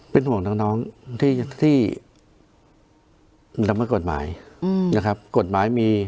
เป็นห่วงน้องที่ละเมิดกฎหมายนะครับกฎหมายมี